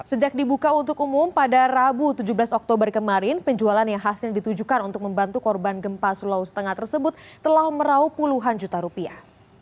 sejak dibuka untuk umum pada rabu tujuh belas oktober kemarin penjualan yang hasil ditujukan untuk membantu korban gempa sulawesi tengah tersebut telah merauh puluhan juta rupiah